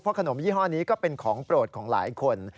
ขนมยี่ห้อนี้ก็เป็นของโปรดของหลายคน